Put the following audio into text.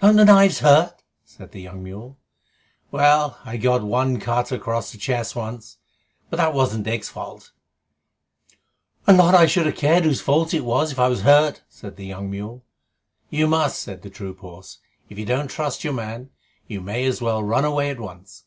"Don't the knives hurt?" said the young mule. "Well, I got one cut across the chest once, but that wasn't Dick's fault " "A lot I should have cared whose fault it was, if it hurt!" said the young mule. "You must," said the troop horse. "If you don't trust your man, you may as well run away at once.